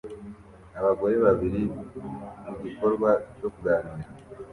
abagore babiri mu gikorwa cyo kuganira